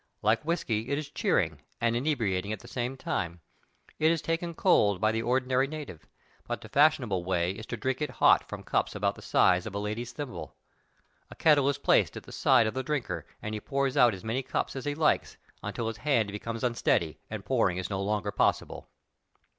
Like whisky, it is cheering and inebriating at the same time. It is taken cold by the ordinary native, but the fashionable way is to drink it hot from cups about the size of a lady's thimble. A kettle is placed at the side of the drinker and he pours out as many cups as he likes until his hand becomes unsteady and pouring is no longer possible.